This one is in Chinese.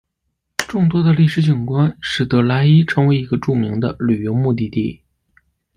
众多的历史景观使得莱伊成为一个著名的旅游目的地。